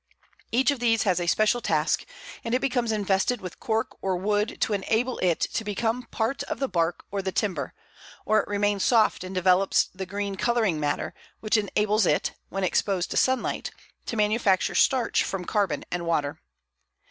Each of these has a special task, and it becomes invested with cork or wood to enable it to become part of the bark or the timber; or it remains soft and develops the green colouring matter, which enables it, when exposed to sunlight, to manufacture starch from carbon and water.